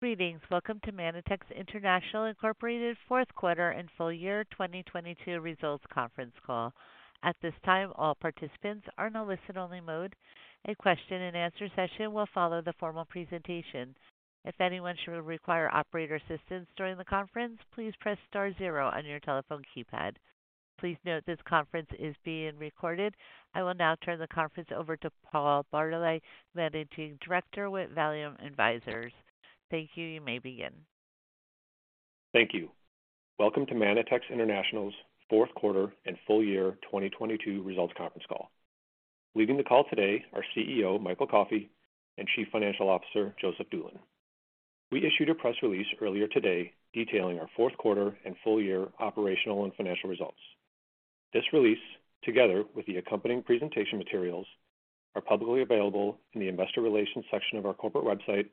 Greetings. Welcome to Manitex International, Inc. fourth quarter and full year 2022 results conference call. At this time, all participants are in a listen-only mode. A question-and-answer session will follow the formal presentation. If anyone should require operator assistance during the conference, please press star zero on your telephone keypad. Please note this conference is being recorded. I will now turn the conference over to Paul Bartoli, Managing Director with Vallum Advisors. Thank you. You may begin. Thank you. Welcome to Manitex International's fourth quarter and full year 2022 results conference call. Leading the call today are CEO Michael Coffey and Chief Financial Officer Joseph Doolin. We issued a press release earlier today detailing our fourth quarter and full year operational and financial results. This release, together with the accompanying presentation materials, are publicly available in the Investor Relations section of our corporate website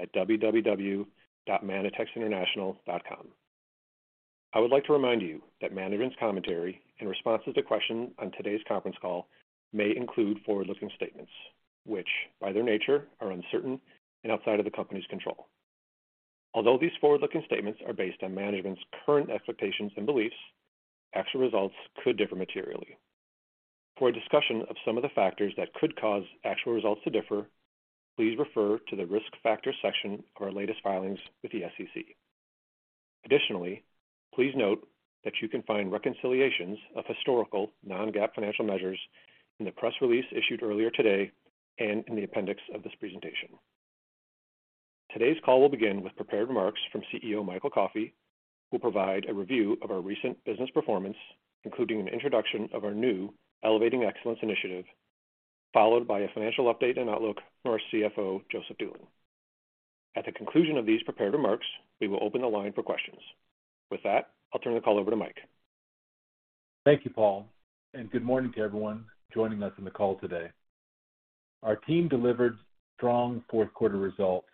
at www.manitexinternational.com. I would like to remind you that management's commentary in responses to questions on today's conference call may include forward-looking statements, which by their nature are uncertain and outside of the company's control. Although these forward-looking statements are based on management's current expectations and beliefs, actual results could differ materially. For a discussion of some of the factors that could cause actual results to differ, please refer to the Risk Factors section of our latest filings with the SEC. Please note that you can find reconciliations of historical non-GAAP financial measures in the press release issued earlier today and in the appendix of this presentation. Today's call will begin with prepared remarks from CEO Michael Coffey, who will provide a review of our recent business performance, including an introduction of our new Elevating Excellence initiative, followed by a financial update and outlook from our CFO, Joseph Doolin. At the conclusion of these prepared remarks, we will open the line for questions. I'll turn the call over to Mike. Thank you, Paul, and good morning to everyone joining us on the call today. Our team delivered strong fourth quarter results,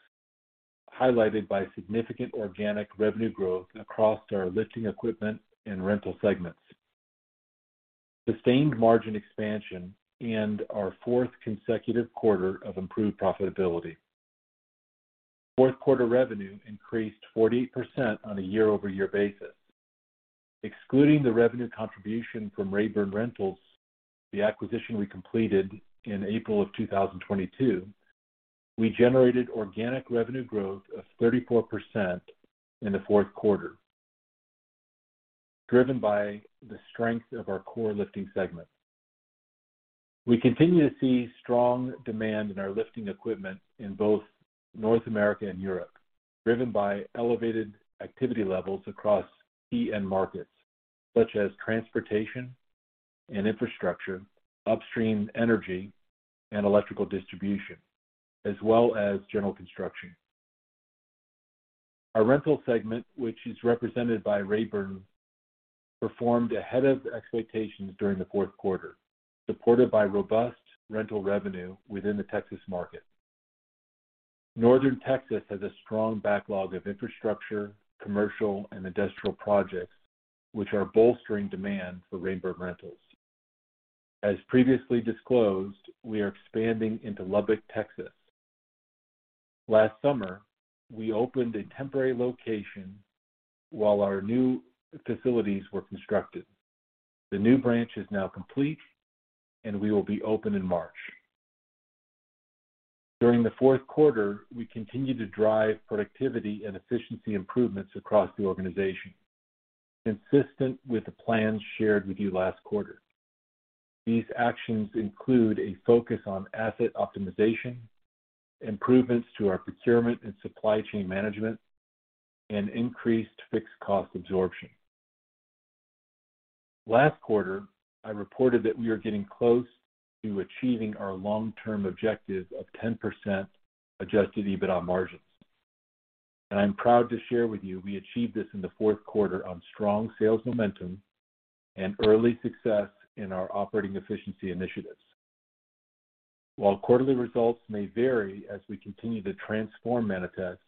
highlighted by significant organic revenue growth across our lifting equipment and rental segments, sustained margin expansion, and our fourth consecutive quarter of improved profitability. Fourth quarter revenue increased 48% on a year-over-year basis. Excluding the revenue contribution from Rabern Rentals, the acquisition we completed in April 2022, we generated organic revenue growth of 34% in the fourth quarter, driven by the strength of our core lifting segment. We continue to see strong demand in our lifting equipment in both North America and Europe, driven by elevated activity levels across key end markets, such as transportation and infrastructure, upstream energy and electrical distribution, as well as general construction. Our rental segment, which is represented by Rabern, performed ahead of expectations during the fourth quarter, supported by robust rental revenue within the Texas market. Northern Texas has a strong backlog of infrastructure, commercial, and industrial projects, which are bolstering demand for Rabern Rentals. As previously disclosed, we are expanding into Lubbock, Texas. Last summer, we opened a temporary location while our new facilities were constructed. The new branch is now complete, and we will be open in March. During the fourth quarter, we continued to drive productivity and efficiency improvements across the organization, consistent with the plans shared with you last quarter. These actions include a focus on asset optimization, improvements to our procurement and supply chain management, and increased fixed cost absorption. Last quarter, I reported that we are getting close to achieving our long-term objective of 10% Adjusted EBITDA margins. I'm proud to share with you we achieved this in the fourth quarter on strong sales momentum and early success in our operating efficiency initiatives. While quarterly results may vary as we continue to transform Manitex,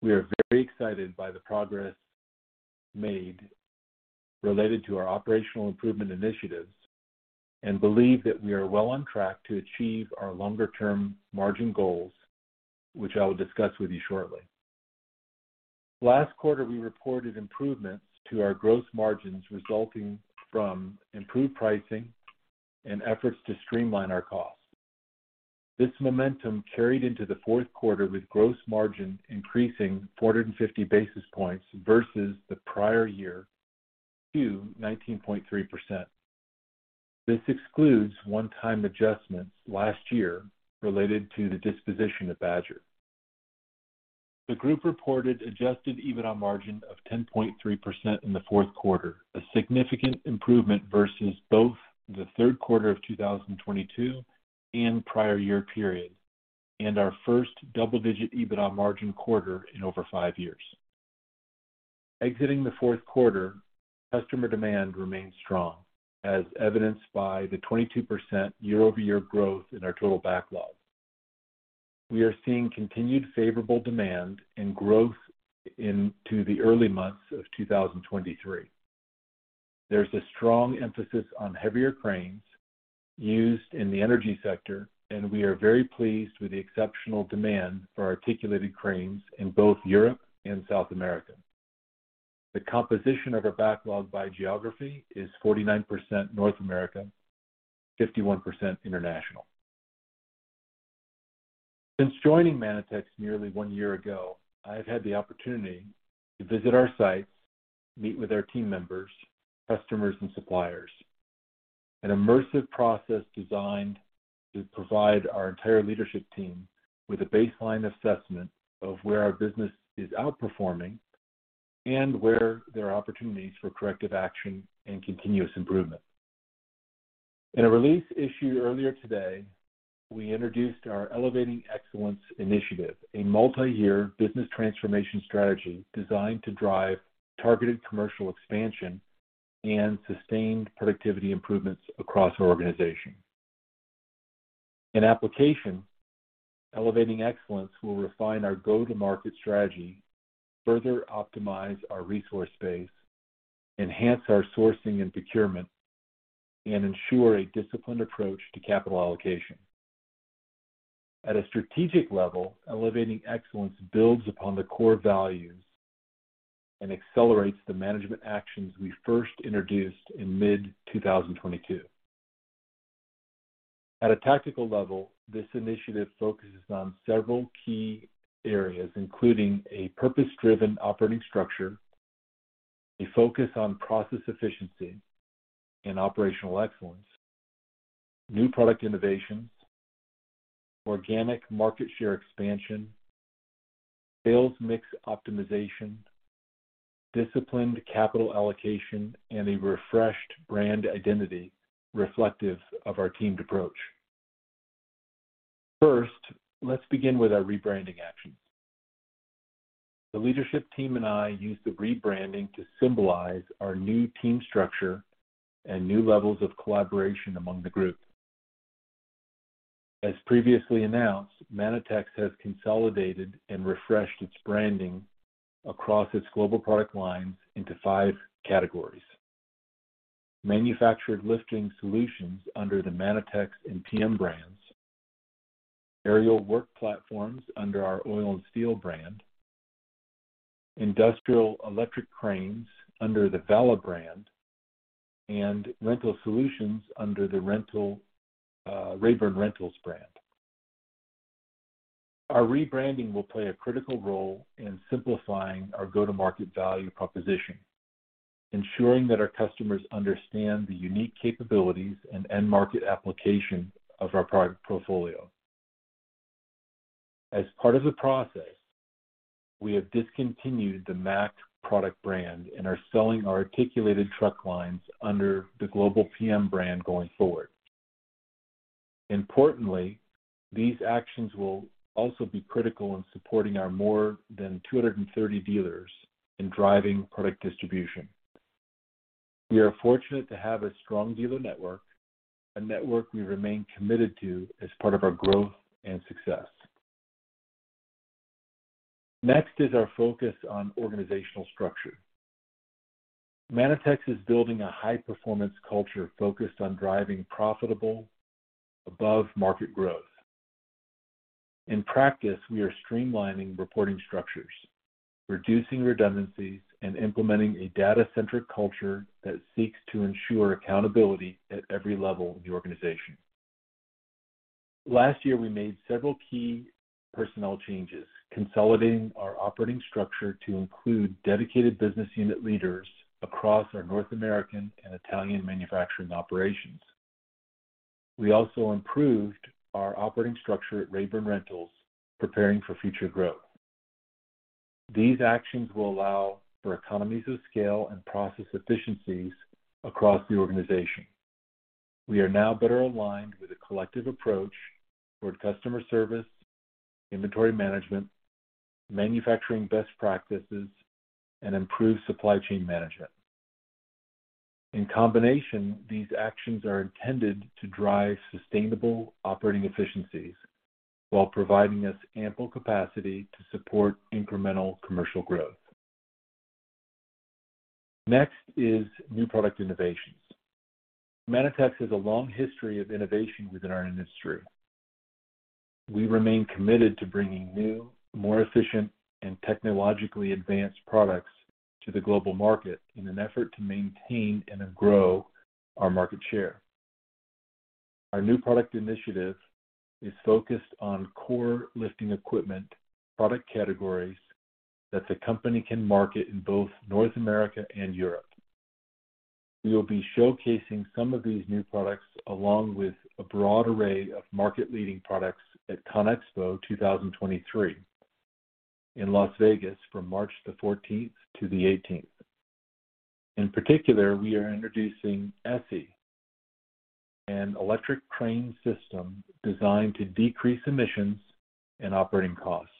we are very excited by the progress made related to our operational improvement initiatives and believe that we are well on track to achieve our longer-term margin goals, which I will discuss with you shortly. Last quarter, we reported improvements to our gross margins resulting from improved pricing and efforts to streamline our costs. This momentum carried into the fourth quarter with gross margin increasing 450 basis points versus the prior year to 19.3%. This excludes one-time adjustments last year related to the disposition of Badger. The group reported Adjusted EBITDA margin of 10.3% in the fourth quarter, a significant improvement versus both the third quarter of 2022 and prior year periods, and our first double-digit EBITDA margin quarter in over five years. Exiting the fourth quarter, customer demand remained strong, as evidenced by the 22% year-over-year growth in our total backlog. We are seeing continued favorable demand and growth into the early months of 2023. There's a strong emphasis on heavier cranes used in the energy sector, and we are very pleased with the exceptional demand for articulated cranes in both Europe and South America. The composition of our backlog by geography is 49% North America, 51% international. Since joining Manitex nearly one year ago, I have had the opportunity to visit our sites, meet with our team members, customers, and suppliers. An immersive process designed to provide our entire leadership team with a baseline assessment of where our business is outperforming and where there are opportunities for corrective action and continuous improvement. In a release issued earlier today, we introduced our Elevating Excellence initiative, a multi-year business transformation strategy designed to drive targeted commercial expansion and sustained productivity improvements across our organization. In application, Elevating Excellence will refine our go-to-market strategy, further optimize our resource base, enhance our sourcing and procurement, and ensure a disciplined approach to capital allocation. At a strategic level, Elevating Excellence builds upon the core values and accelerates the management actions we first introduced in mid-2022. At a tactical level, this initiative focuses on several key areas, including a purpose-driven operating structure, a focus on process efficiency and operational excellence, new product innovations, organic market share expansion, sales mix optimization, disciplined capital allocation, and a refreshed brand identity reflective of our teamed approach. First, let's begin with our rebranding actions. The leadership team and I used the rebranding to symbolize our new team structure and new levels of collaboration among the group. As previously announced, Manitex has consolidated and refreshed its branding across its global product lines into five categories: manufactured lifting solutions under the Manitex and PM brands, aerial work platforms under our Oil & Steel brand, industrial electric cranes under the Valla brand, and rental solutions under the rental, Rabern Rentals brand. Our rebranding will play a critical role in simplifying our go-to-market value proposition, ensuring that our customers understand the unique capabilities and end market application of our product portfolio. As part of the process, we have discontinued the MAC product brand and are selling our articulated truck lines under the global PM brand going forward. Importantly, these actions will also be critical in supporting our more than 230 dealers in driving product distribution. We are fortunate to have a strong dealer network, a network we remain committed to as part of our growth and success. Our focus on organizational structure. Manitex is building a high-performance culture focused on driving profitable above-market growth. In practice, we are streamlining reporting structures, reducing redundancies, and implementing a data-centric culture that seeks to ensure accountability at every level of the organization. Last year, we made several key personnel changes, consolidating our operating structure to include dedicated business unit leaders across our North American and Italian manufacturing operations. We also improved our operating structure at Rabern Rentals preparing for future growth. These actions will allow for economies of scale and process efficiencies across the organization. We are now better aligned with a collective approach toward customer service, inventory management, manufacturing best practices, and improved supply chain management. In combination, these actions are intended to drive sustainable operating efficiencies while providing us ample capacity to support incremental commercial growth. Next is new product innovations. Manitex has a long history of innovation within our industry. We remain committed to bringing new, more efficient, and technologically advanced products to the global market in an effort to maintain and then grow our market share. Our new product initiative is focused on core lifting equipment product categories that the company can market in both North America and Europe. We will be showcasing some of these new products along with a broad array of market-leading products at CONEXPO 2023 in Las Vegas from March 14th to the 18th. In particular, we are introducing E-Series, an electric crane system designed to decrease emissions and operating costs.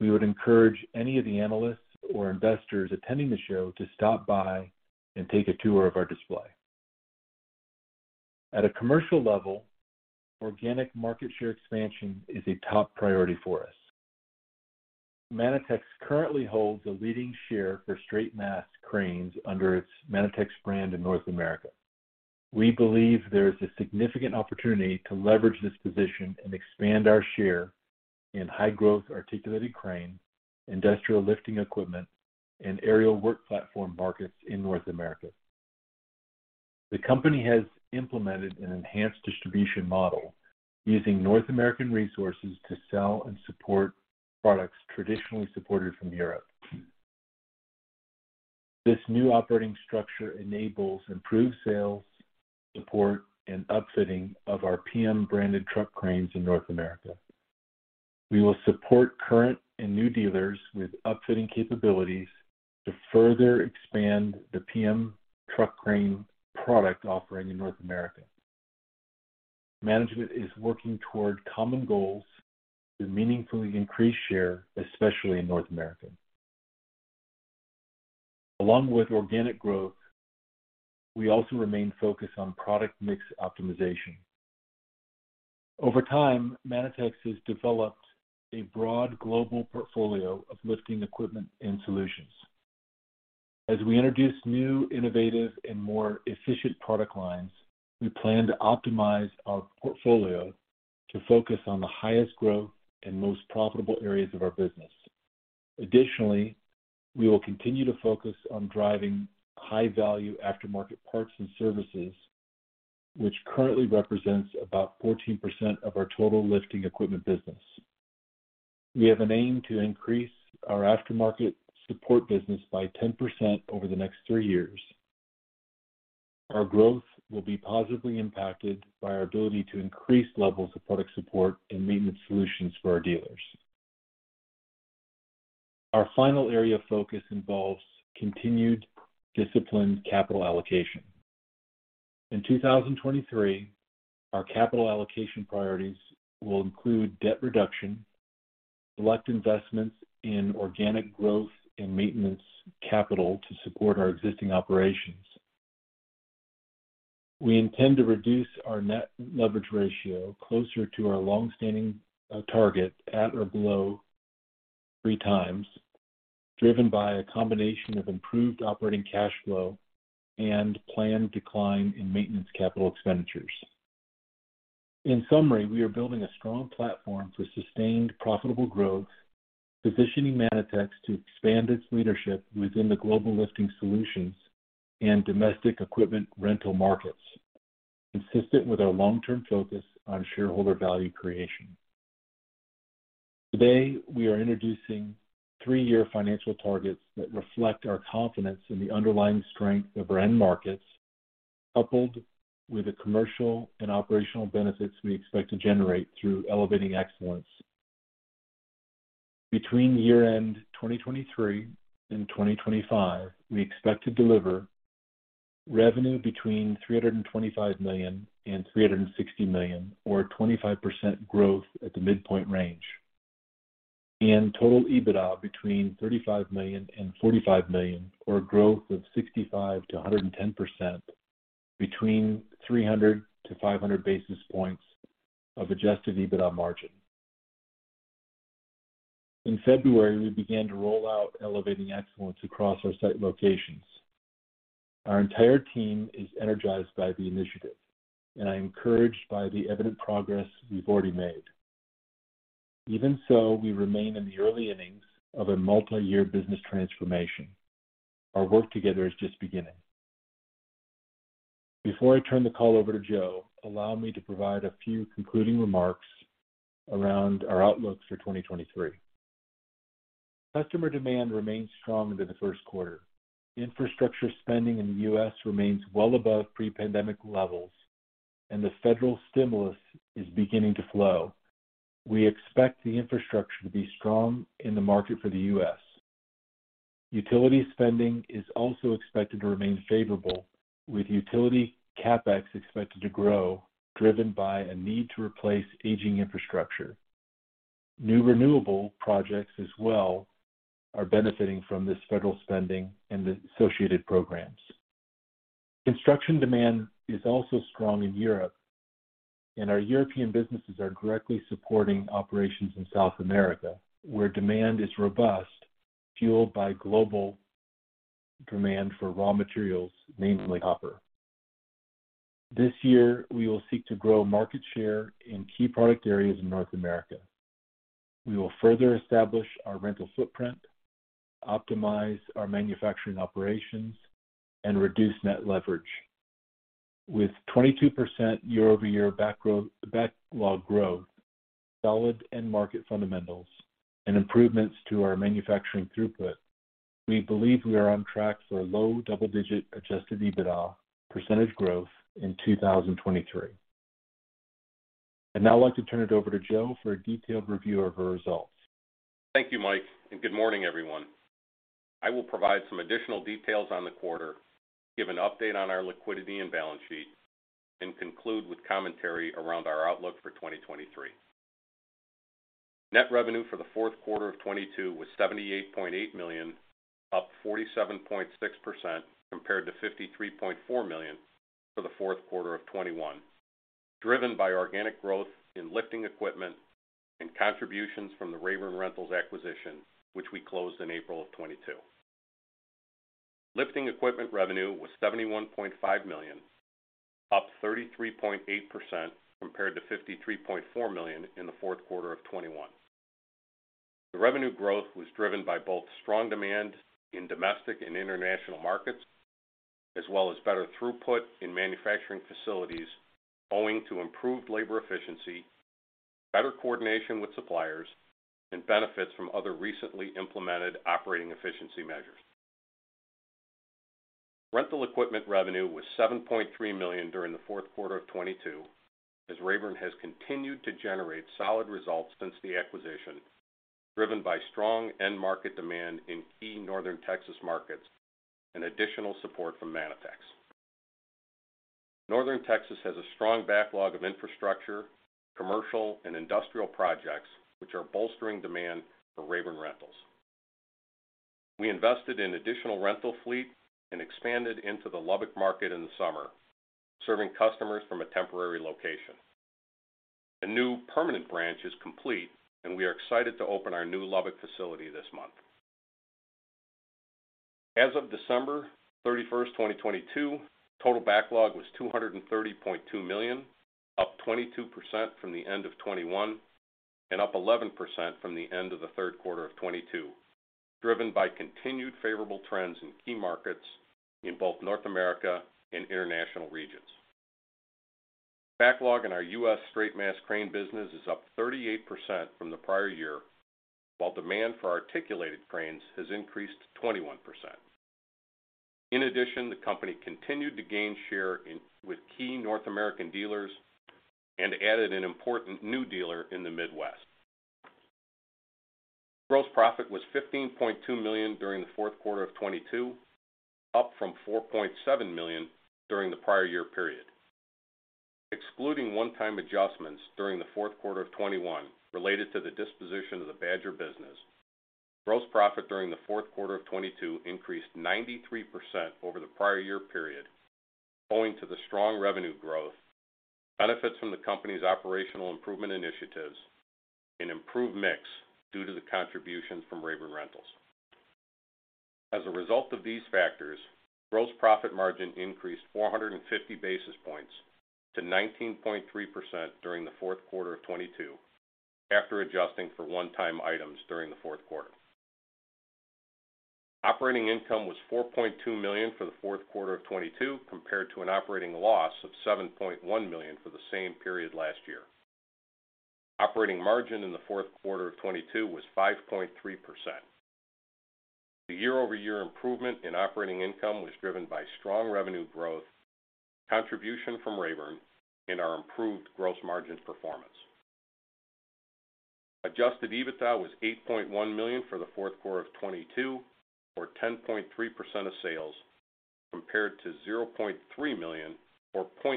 We would encourage any of the analysts or investors attending the show to stop by and take a tour of our display. At a commercial level, organic market share expansion is a top priority for us. Manitex currently holds a leading share for straight mast cranes under its Manitex brand in North America. We believe there is a significant opportunity to leverage this position and expand our share in high-growth articulated cranes, industrial lifting equipment, and aerial work platform markets in North America. The company has implemented an enhanced distribution model using North American resources to sell and support products traditionally supported from Europe. This new operating structure enables improved sales, support, and upfitting of our PM-branded truck cranes in North America. We will support current and new dealers with upfitting capabilities to further expand the PM truck crane product offering in North America. Management is working toward common goals to meaningfully increase share, especially in North America. Along with organic growth, we also remain focused on product mix optimization. Over time, Manitex has developed a broad global portfolio of lifting equipment and solutions. As we introduce new, innovative, and more efficient product lines, we plan to optimize our portfolio to focus on the highest growth and most profitable areas of our business. Additionally, we will continue to focus on driving high-value aftermarket parts and services, which currently represents about 14% of our total lifting equipment business. We have an aim to increase our aftermarket support business by 10% over the next three years. Our growth will be positively impacted by our ability to increase levels of product support and maintenance solutions for our dealers. Our final area of focus involves continued disciplined capital allocation. In 2023, our capital allocation priorities will include debt reduction, select investments in organic growth, and maintenance capital to support our existing operations. We intend to reduce our net leverage ratio closer to our longstanding target at or below three times, driven by a combination of improved operating cash flow and planned decline in maintenance capital expenditures. In summary, we are building a strong platform for sustained profitable growth, positioning Manitex to expand its leadership within the global lifting solutions and domestic equipment rental markets, consistent with our long-term focus on shareholder value creation. Today, we are introducing three-year financial targets that reflect our confidence in the underlying strength of our end markets, coupled with the commercial and operational benefits we expect to generate through Elevating Excellence. Between year-end 2023 and 2025, we expect to deliver revenue between $325 million and $360 million, or 25% growth at the midpoint range. Total EBITDA between $35 million and $45 million, or a growth of 65%-110% between 300-500 basis points of Adjusted EBITDA margin. In February, we began to roll out Elevating Excellence across our site locations. Our entire team is energized by the initiative, and I am encouraged by the evident progress we've already made. Even so, we remain in the early innings of a multiyear business transformation. Our work together is just beginning. Before I turn the call over to Joe, allow me to provide a few concluding remarks around our outlook for 2023. Customer demand remains strong into the first quarter. Infrastructure spending in the U.S. remains well above pre-pandemic levels, and the federal stimulus is beginning to flow. We expect the infrastructure to be strong in the market for the U.S. Utility spending is also expected to remain favorable, with utility CapEx expected to grow, driven by a need to replace aging infrastructure. New renewable projects as well are benefiting from this federal spending and the associated programs. Construction demand is also strong in Europe, and our European businesses are directly supporting operations in South America, where demand is robust, fueled by global demand for raw materials, mainly copper. This year, we will seek to grow market share in key product areas in North America. We will further establish our rental footprint, optimize our manufacturing operations, and reduce net leverage. With 22% year-over-year backlog growth, solid end market fundamentals, and improvements to our manufacturing throughput, we believe we are on track for a low double-digit Adjusted EBITDA percentage growth in 2023. I'd now like to turn it over to Joe for a detailed review of our results. Thank you, Mike, good morning, everyone. I will provide some additional details on the quarter, give an update on our liquidity and balance sheet, and conclude with commentary around our outlook for 2023. Net revenue for the fourth quarter of 2022 was $78.8 million, up 47.6% compared to $53.4 million for the fourth quarter of 2021, driven by organic growth in lifting equipment and contributions from the Rabern Rentals acquisition, which we closed in April of 2022. Lifting equipment revenue was $71.5 million, up 33.8% compared to $53.4 million in the fourth quarter of 2021. The revenue growth was driven by both strong demand in domestic and international markets, as well as better throughput in manufacturing facilities owing to improved labor efficiency, better coordination with suppliers and benefits from other recently implemented operating efficiency measures. Rental equipment revenue was $7.3 million during the fourth quarter of 2022, as Rabern has continued to generate solid results since the acquisition, driven by strong end market demand in key Northern Texas markets and additional support from Manitex. Northern Texas has a strong backlog of infrastructure, commercial and industrial projects which are bolstering demand for Rabern Rentals. We invested in additional rental fleet and expanded into the Lubbock market in the summer, serving customers from a temporary location. A new permanent branch is complete and we are excited to open our new Lubbock facility this month. As of December 31st, 2022, total backlog was $230.2 million, up 22% from the end of 2021 and up 11% from the end of the third quarter of 2022, driven by continued favorable trends in key markets in both North America and international regions. Backlog in our U.S. straight mast crane business is up 38% from the prior year, while demand for articulated cranes has increased 21%. In addition, the company continued to gain share with key North American dealers and added an important new dealer in the Midwest. Gross profit was $15.2 million during the fourth quarter of 2022, up from $4.7 million during the prior year period. Excluding one-time adjustments during the fourth quarter of 2021 related to the disposition of the Badger business, gross profit during the fourth quarter of 2022 increased 93% over the prior year period, owing to the strong revenue growth, benefits from the company's operational improvement initiatives and improved mix due to the contributions from Rabern Rentals. As a result of these factors, gross profit margin increased 450 basis points to 19.3% during the fourth quarter of 2022 after adjusting for one-time items during the fourth quarter. Operating income was $4.2 million for the fourth quarter of 2022, compared to an operating loss of $7.1 million for the same period last year. Operating margin in the fourth quarter of 2022 was 5.3%. The year-over-year improvement in operating income was driven by strong revenue growth, contribution from Rabern and our improved gross margin performance. Adjusted EBITDA was $8.1 million for the fourth quarter of 2022, or 10.3% of sales, compared to $0.3 million or 0.6%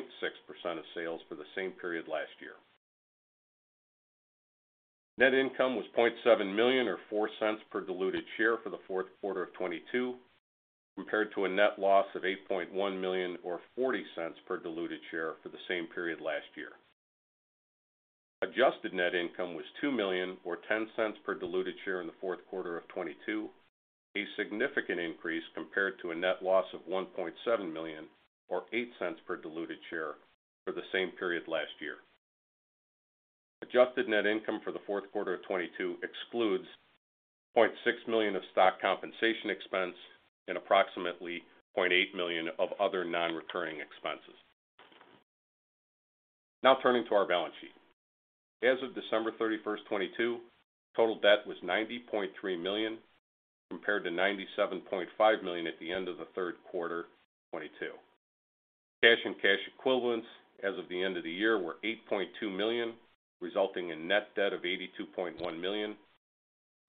of sales for the same period last year. Net income was $0.7 million or $0.04 per diluted share for the fourth quarter of 2022, compared to a net loss of $8.1 million or $0.40 per diluted share for the same period last year. Adjusted net income was $2 million or $0.10 per diluted share in the fourth quarter of 2022, a significant increase compared to a net loss of $1.7 million or $0.08 per diluted share for the same period last year. Adjusted net income for the fourth quarter of 2022 excludes $0.6 million of stock compensation expense and approximately $0.8 million of other non-recurring expenses. Turning to our balance sheet. As of December 31st, 2022, total debt was $90.3 million, compared to $97.5 million at the end of the third quarter 2022. Cash and cash equivalents as of the end of the year were $8.2 million, resulting in net debt of $82.1 million,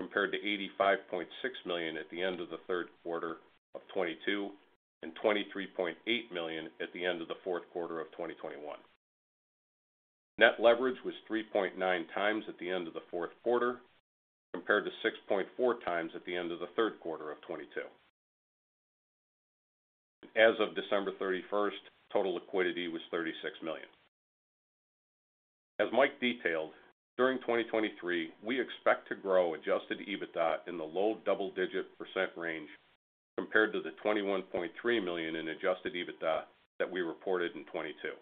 compared to $85.6 million at the end of the third quarter of 2022 and $23.8 million at the end of the fourth quarter of 2021. Net leverage was 3.9 times at the end of the fourth quarter, compared to 6.4 times at the end of the third quarter of 2022. As of December 31st, total liquidity was $36 million. As Mike detailed, during 2023, we expect to grow Adjusted EBITDA in the low double-digit % range compared to the $21.3 million in Adjusted EBITDA that we reported in 2022.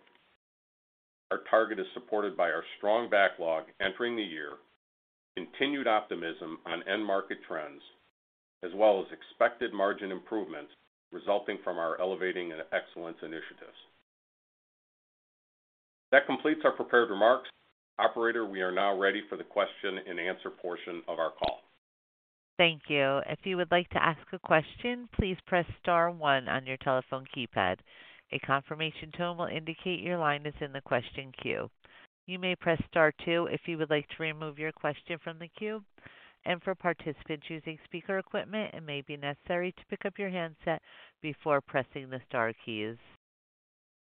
Our target is supported by our strong backlog entering the year, continued optimism on end market trends as well as expected margin improvements resulting from our Elevating Excellence initiatives. That completes our prepared remarks. Operator, we are now ready for the question and answer portion of our call. Thank you. If you would like to ask a question, please press star one on your telephone keypad. A confirmation tone will indicate your line is in the question queue. You may press star two if you would like to remove your question from the queue. For participants using speaker equipment, it may be necessary to pick up your handset before pressing the star keys.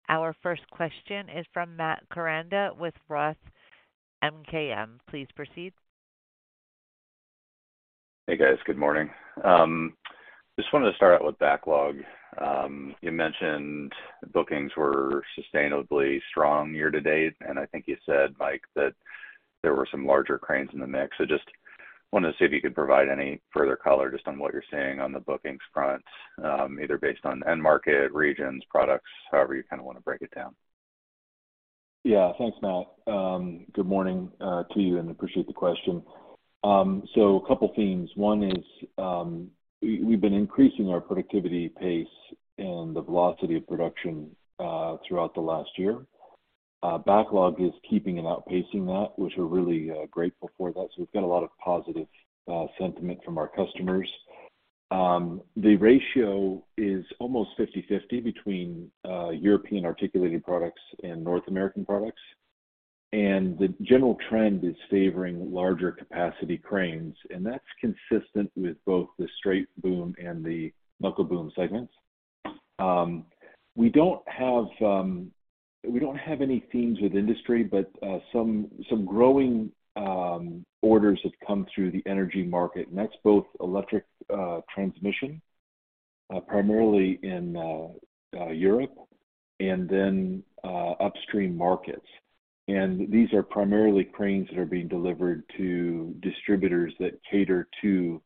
Our first question is from Matt Koranda with Roth MKM. Please proceed. Hey, guys. Good morning. Just wanted to start out with backlog. You mentioned bookings were sustainably strong year-to-date, and I think you said, Mike, that there were some larger cranes in the mix. Just wanted to see if you could provide any further color just on what you're seeing on the bookings front, either based on end-market, regions, products, however you kind of want to break it down? Yeah. Thanks, Matt. Good morning to you. Appreciate the question. A couple themes. One is, we've been increasing our productivity pace and the velocity of production throughout the last year. Backlog is keeping and outpacing that, which we're really grateful for that, so we've got a lot of positive sentiment from our customers. The ratio is almost 50/50 between European articulated products and North American products. The general trend is favoring larger capacity cranes, and that's consistent with both the straight boom and the knuckle boom segments. We don't have any themes with industry, but some growing orders have come through the energy market, and that's both electric transmission, primarily in Europe and then upstream markets. These are primarily cranes that are being delivered to distributors that cater to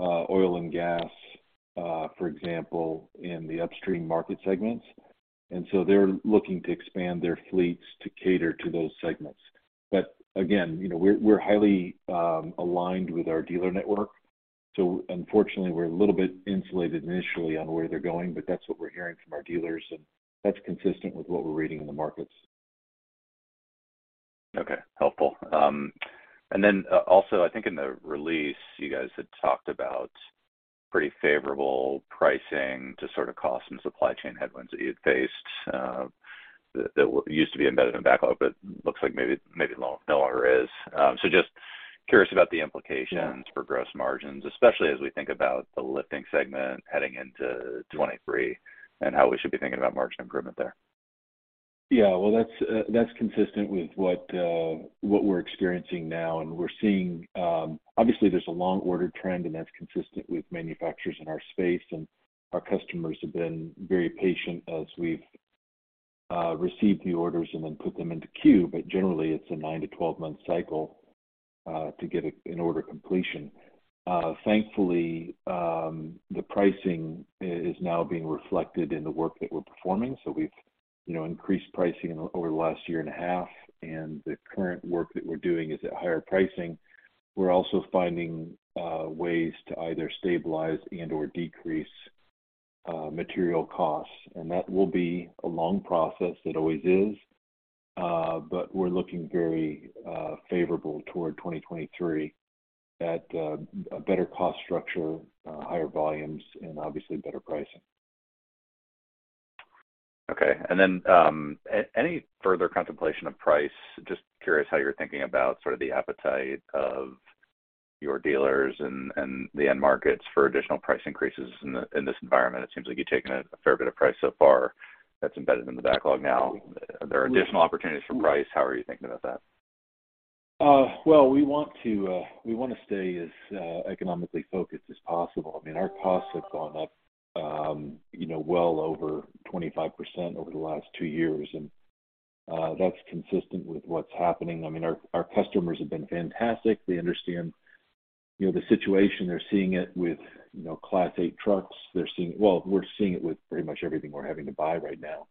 oil and gas, for example, in the upstream market segments. They're looking to expand their fleets to cater to those segments. Again, you know, we're highly aligned with our dealer network, so unfortunately we're a little bit insulated initially on where they're going, but that's what we're hearing from our dealers, and that's consistent with what we're reading in the markets. Okay. Helpful. Then also I think in the release you guys had talked about pretty favorable pricing to sort of cost and supply chain headwinds that you had faced, that used to be embedded in backlog but looks like maybe no longer is. So just curious about the implications for gross margins, especially as we think about the lifting segment heading into 2023 and how we should be thinking about margin improvement there. Well, that's consistent with what we're experiencing now. We're seeing, obviously, there's a long order trend, and that's consistent with manufacturers in our space. Our customers have been very patient as we've received the orders and then put them into queue. Generally, it's a nine to 12-month cycle to get an order completion. Thankfully, the pricing is now being reflected in the work that we're performing, so we've, you know, increased pricing over the last year and a half, and the current work that we're doing is at higher pricing. We're also finding ways to either stabilize and/or decrease material costs. That will be a long process. It always is. We're looking very favorable toward 2023 at a better cost structure, higher volumes, and obviously better pricing. Okay. Any further contemplation of price? Just curious how you're thinking about sort of the appetite of your dealers and the end markets for additional price increases in this environment. It seems like you've taken a fair bit of price so far that's embedded in the backlog now. Are there additional opportunities for price? How are you thinking about that? Well, we want to stay as economically focused as possible. I mean, our costs have gone up, you know, well over 25% over the last two years. That's consistent with what's happening. I mean, our customers have been fantastic. They understand, you know, the situation. They're seeing it with, you know, Class 8 trucks. Well, we're seeing it with pretty much everything we're having to buy right now.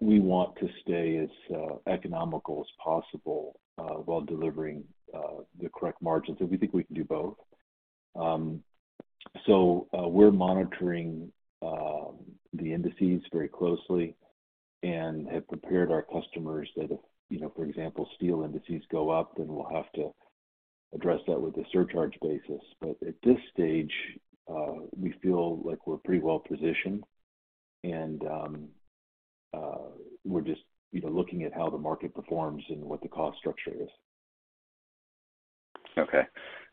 We want to stay as economical as possible while delivering the correct margins. We think we can do both. We're monitoring the indices very closely and have prepared our customers that if, you know, for example, steel indices go up, then we'll have to address that with a surcharge basis. At this stage, we feel like we're pretty well positioned, and, we're just, you know, looking at how the market performs and what the cost structure is. Okay.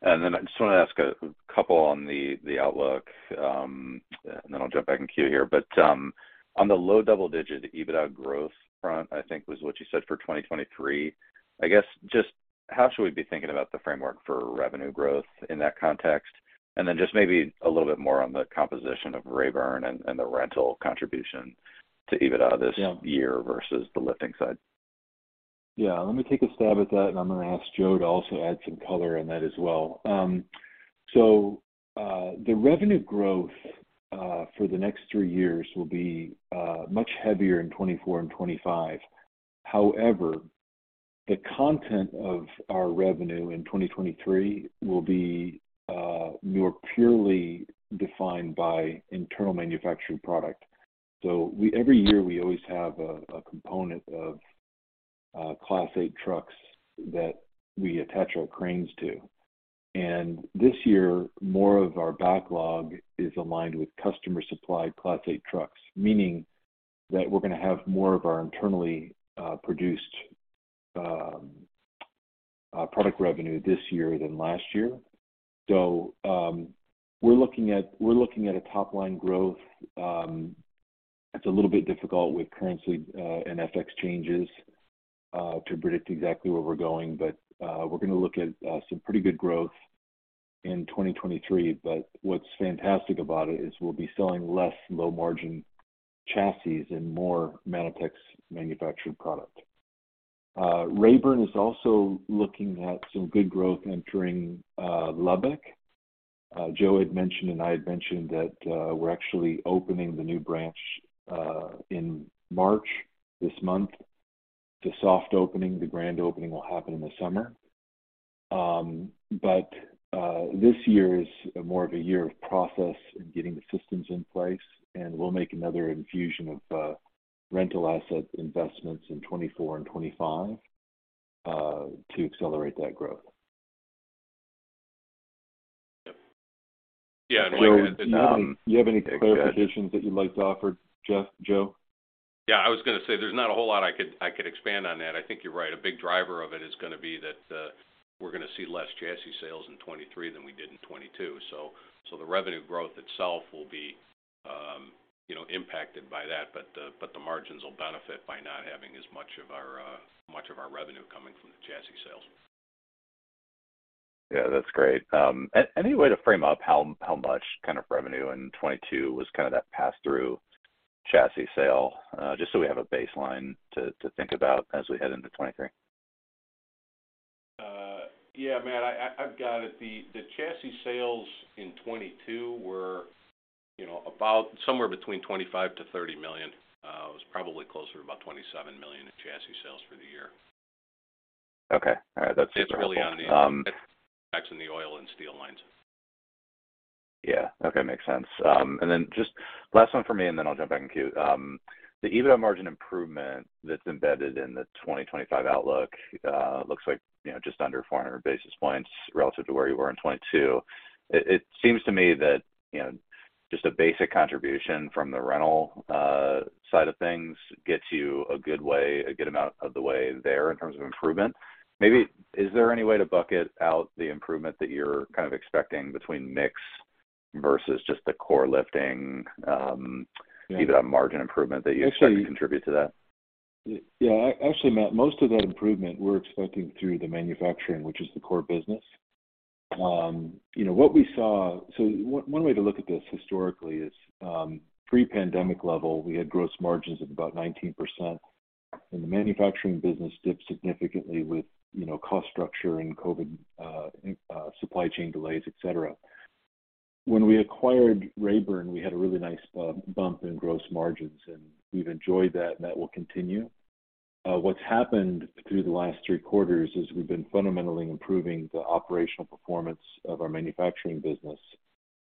I just want to ask a couple on the outlook, then I'll jump back in queue here. On the low double-digit EBITDA growth front, I think was what you said for 2023, I guess just how should we be thinking about the framework for revenue growth in that context? Then just maybe a little bit more on the composition of Rabern and the rental contribution to EBITDA year versus the lifting side. Let me take a stab at that, and I'm gonna ask Joe to also add some color on that as well. The revenue growth for the next three years will be much heavier in 2024 and 2025. However, the content of our revenue in 2023 will be more purely defined by internal manufacturing product. Every year, we always have a component of Class 8 trucks that we attach our cranes to. This year, more of our backlog is aligned with customer-supplied Class 8 trucks, meaning that we're gonna have more of our internally produced product revenue this year than last year. We're looking at a top-line growth that's a little bit difficult with currency and FX changes to predict exactly where we're going. We're gonna look at some pretty good growth in 2023. What's fantastic about it is we'll be selling less low-margin chassis and more Manitex manufactured product. Rabern is also looking at some good growth entering Lubbock. Joe had mentioned and I had mentioned that we're actually opening the new branch in March, this month. It's a soft opening. The grand opening will happen in the summer. This year is more of a year of process and getting the systems in place, and we'll make another infusion of rental asset investments in 2024 and 2025 to accelerate that growth. Yeah. Like I said. Joe, do you have any clarifications that you'd like to offer, Joe? Yeah, I was gonna say there's not a whole lot I could expand on that. I think you're right. A big driver of it is gonna be that we're gonna see less chassis sales in 2023 than we did in 2022. The revenue growth itself will be, you know, impacted by that, but the margins will benefit by not having as much of our revenue coming from the chassis sales. That's great. Any way to frame up how much kind of revenue in 2022 was kind of that pass-through chassis sale, just so we have a baseline to think about as we head into 2023? Yeah, Matt, I've got it. The chassis sales in 2022 were, you know, about somewhere between $25 million-$30 million. It was probably closer to about $27 million in chassis sales for the year. Okay. All right. That's super helpful. It's really on the, in the Oil & Steel lines. Yeah. Okay. Makes sense. Then just last one for me, and then I'll jump back in queue. The EBITDA margin improvement that's embedded in the 2025 outlook, looks like, you know, just under 400 basis points relative to where you were in 2022. It, it seems to me that, you know, just a basic contribution from the rental side of things gets you a good way, a good amount of the way there in terms of improvement. Maybe is there any way to bucket out the improvement that you're kind of expecting between mix versus just the core lifting EBITDA margin improvement that you expect to contribute to that? Yeah. Actually, Matt, most of that improvement we're expecting through the manufacturing, which is the core business. you know, what we saw. One way to look at this historically is pre-pandemic level, we had gross margins of about 19%, and the manufacturing business dipped significantly with, you know, cost structure and COVID supply chain delays, et cetera. When we acquired Rabern, we had a really nice bump in gross margins, and we've enjoyed that, and that will continue. What's happened through the last three quarters is we've been fundamentally improving the operational performance of our manufacturing business.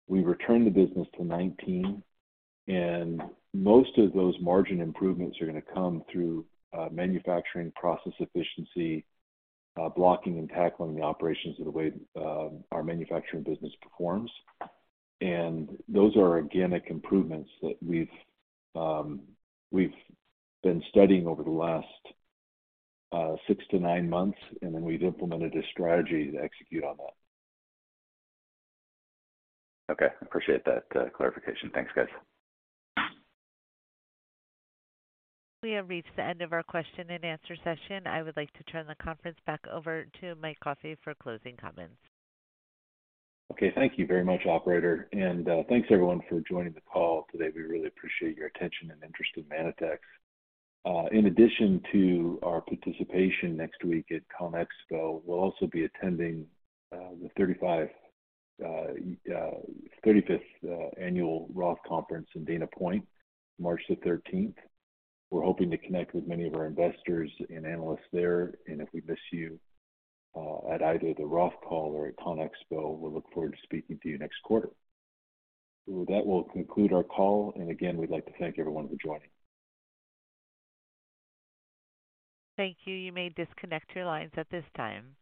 We returned the business to 19%, most of those margin improvements are gonna come through manufacturing process efficiency, blocking and tackling the operations of the way our manufacturing business performs. Those are organic improvements that we've been studying over the last six to nine months, and then we've implemented a strategy to execute on that. Okay. Appreciate that, clarification. Thanks, guys. We have reached the end of our question and answer session. I would like to turn the conference back over to Mike Coffey for closing comments. Okay, thank you very much, operator. Thanks everyone for joining the call today. We really appreciate your attention and interest in Manitex. In addition to our participation next week at CONEXPO, we'll also be attending the 35th annual Roth Conference in Dana Point, March the 13th. We're hoping to connect with many of our investors and analysts there. If we miss you at either the Roth call or at CONEXPO, we look forward to speaking to you next quarter. That will conclude our call. Again, we'd like to thank everyone for joining. Thank you. You may disconnect your lines at this time.